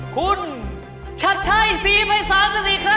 คุณชัดช่ายซีฟให้๓๔ครั้ง